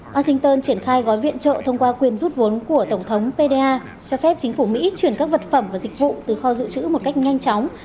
washington triển khai gói viện trợ thông qua quyền rút vốn của tổng thống pda cho phép chính phủ mỹ chuyển các vật phẩm và dịch vụ từ kho dự trữ một cách nhanh chóng